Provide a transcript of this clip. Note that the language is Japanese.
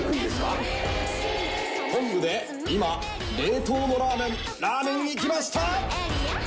トングで今冷凍のラーメンラーメンいきました！